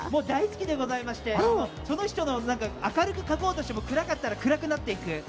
大好きでございまして明るく描こうとして暗かったら暗くなっていく。